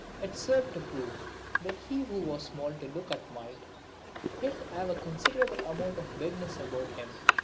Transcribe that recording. It served to prove that he who was small to look at might yet have a considerable amount of bigness about him.